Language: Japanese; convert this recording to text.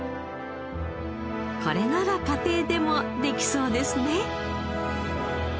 これなら家庭でもできそうですね。